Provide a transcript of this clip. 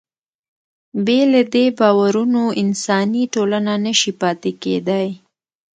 بې له دې باورونو انساني ټولنه نهشي پاتې کېدی.